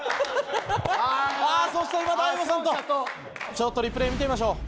ちょっとリプレイ見てみましょう。